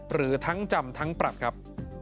หรือทั้งจำทั้งปรับครับ